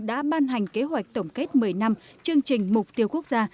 đã ban hành kế hoạch tổng kết một mươi năm chương trình mục tiêu quốc gia